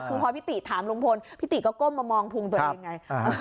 คือพอพี่ติถามลุงพลพี่ติก็ก้มมามองพุงตัวเองไง